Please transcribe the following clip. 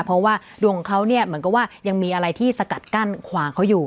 เพราะว่าดวงของเขาเนี่ยเหมือนกับว่ายังมีอะไรที่สกัดกั้นขวางเขาอยู่